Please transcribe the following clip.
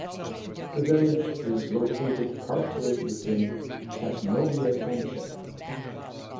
The village is located partially within Casnovia Township.